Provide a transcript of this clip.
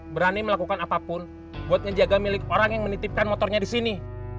berani melakukan apapun buat ngejaga milik orang yang menitipkan motornya di sini